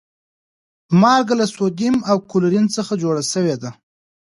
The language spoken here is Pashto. مالګه له سودیم او کلورین څخه جوړه شوی ده